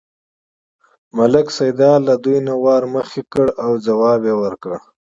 ملک سیدلال له دوی نه وار مخکې کړ او یې ځواب ورکړ.